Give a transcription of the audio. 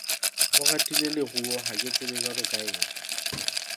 O ratile leruo ha ke tsebe jwalo ka eng.